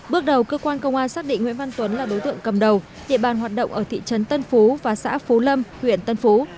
bước đầu cơ quan công an xác định nguyễn văn tuấn là đối tượng cầm đầu địa bàn hoạt động ở thị trấn tân phú và xã phú lâm huyện tân phú